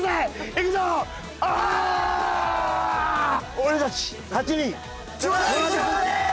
俺たち８人。